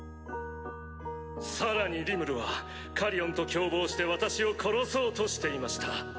さらにリムルはカリオンと共謀して私を殺そうとしていました。